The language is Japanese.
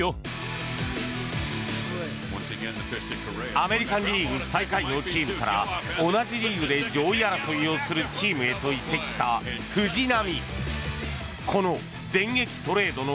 アメリカン・リーグ最下位のチームから同じリーグで上位争いをするチームへと移籍した藤浪。